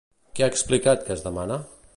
Què ha explicat que es demana?